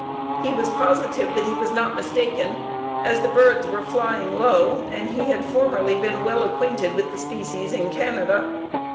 He was positive that he was not mistaken, as the birds were flying low, and he had formerly been well acquainted with the species in Canada.